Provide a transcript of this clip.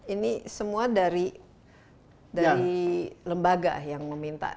ini semua dari lembaga yang meminta